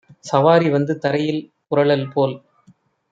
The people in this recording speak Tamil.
சவாரி வந்து தரையில் புரளல் போல்